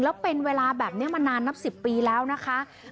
แล้วเป็นเวลาแบบนี้มานานนับ๑๐ปีแล้วนะคะ